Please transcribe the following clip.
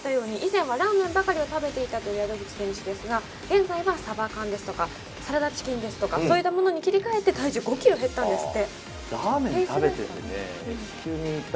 ＶＴＲにもありましたように、以前はラーメンばかり食べていたという宿口選手ですが、現在はさば缶やサラダチキンなど、そういったものに切り替えて体重が５ｋｇ減ったんですって。